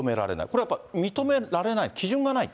これはやっぱり認められない、基準がない？